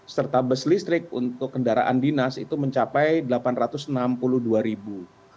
serta bus listrik untuk kendaraan dinas itu mencapai delapan ratus enam puluh dua ribu